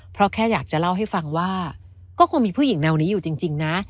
เพราะแค่อยากจะเล่าให้ฟังว่าก็คงมีผู้หญิงแนวนี้อยู่จริงนะ